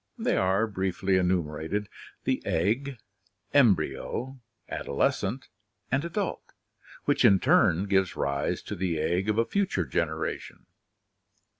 They are, briefly enumerated, the egg, embryo, adolescent, and adult, which in turn gives rise to the egg of a future generation.